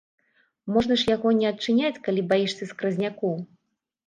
Можна ж яго не адчыняць, калі баішся скразнякоў.